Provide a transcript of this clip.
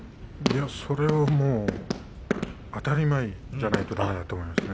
それは当たり前じゃないかなと思いますね。